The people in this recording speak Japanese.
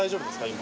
今。